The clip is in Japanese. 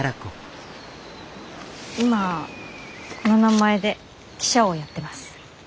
今この名前で記者をやってます。